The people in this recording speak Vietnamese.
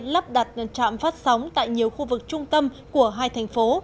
lắp đặt trạm phát sóng tại nhiều khu vực trung tâm của hai thành phố